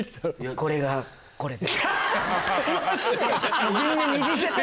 これがこれで。